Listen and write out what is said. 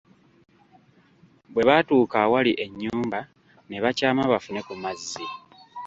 Bwe baatuuka awali ennyumba, ne bakyama bafune ku mazzi.